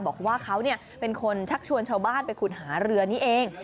บอกว่าเขาเป็นคนชักชวนชาวบ้านไปขุดหาเรือนี้เอง